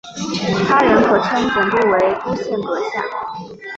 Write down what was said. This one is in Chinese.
他人可称总督为督宪阁下。